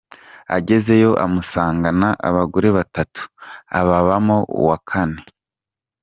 Agezeyo amusangana abagore batatu, ababamo uwa kane.